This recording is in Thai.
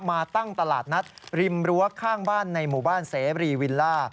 มาตั้งตลาดนัดริมรั้วข้างบ้านในหมู่บ้านเสรีวิลล่า